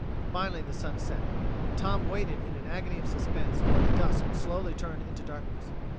Finally the sun set, and Tom waited in an agony of suspense while the dusk slowly turned into darkness.